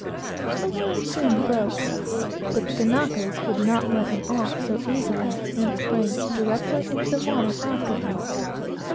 The line soon broke; but the Kanakas would not let him off so easily, and sprang directly into the water after him.